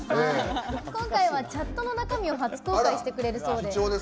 今回はチャットの中身を初公開してくれるそうです。